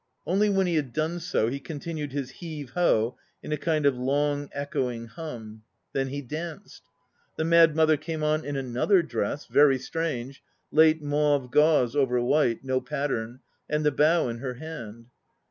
Only when he had done so, he continued his Heave ho in a kind of long echoing hum. Then he danced. The mad mother came on in another dress, very strange, light mauve gauze over white, no pattern, and the bough in her hand.